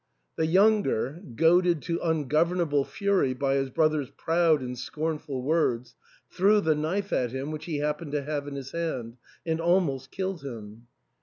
The younger, goaded to ungovernable fury by his brother's proud and scornful words, threw the knife at him which he happened to have in his hand, and almost killed him.